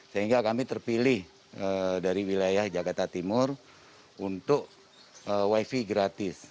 sehingga kami terpilih dari wilayah jakarta timur untuk wifi gratis